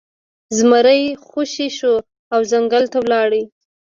زمری خوشې شو او ځنګل ته لاړ.